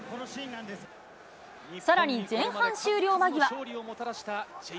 さらに、前半終了間際。